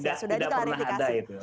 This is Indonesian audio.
tidak pernah ada itu